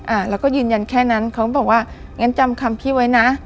อ่าแล้วก็ยืนยันแค่นั้นเขาก็บอกว่างั้นจำคำพี่ไว้นะ